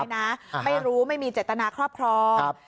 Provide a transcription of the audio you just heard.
ไม่รู้ไม่มีเจตนาครอบครอง